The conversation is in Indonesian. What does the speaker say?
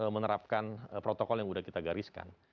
menerapkan protokol yang sudah kita gariskan